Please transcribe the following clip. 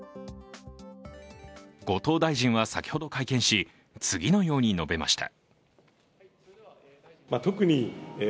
後藤大臣は先ほど会見し次のように述べました。